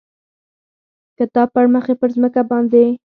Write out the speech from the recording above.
کتاب پړمخې پر مځکه باندې،